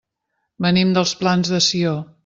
Venim dels Plans de Sió.